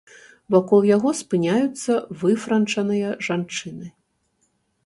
Вакол яго спыняюцца выфранчаныя жанчыны.